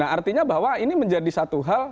artinya bahwa ini menjadi satu hal